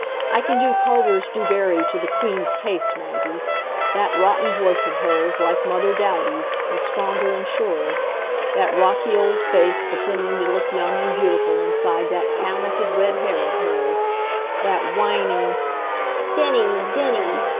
I can do Carter's Du Barry to the Queen's taste, Maggie. That rotten voice of hers, like Mother Douty's, but stronger and surer; that rocky old face pretending to look young and beautiful inside that talented red hair of hers; that whining "Denny! Denny!"